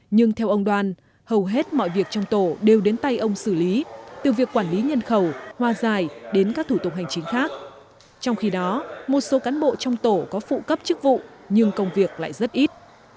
nhưng theo ông đoan hầu hết mọi việc trong tổ đều đến tay ông xử lý từ việc quản lý nhân khẩu hoa dài đến các thủ tục hành chính khác trong khi đó một số cán bộ trong tổ có phụ cấp chức vụ nhưng công việc lại rất ít